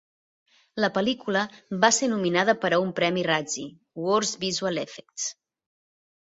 La pel·lícula va ser nominada per a un premi Razzie, Worst Visual Effects.